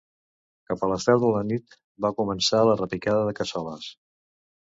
Cap a les deu de la nit va començar la repicada de cassoles.